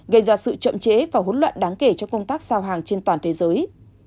gây ra sự trậm chế và hỗn loạn đáng kể cho công tác sao hàng trên toàn thế giới